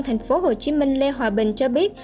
tp hcm lê hòa bình cho biết